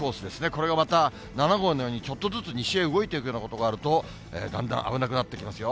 これがまた７号のように、ちょっとずつ西へ動いていくようなことがあると、だんだん危なくなってきますよ。